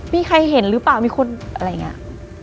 มีใครเห็นหรือเปล่ามีคนอะไรอย่างนี้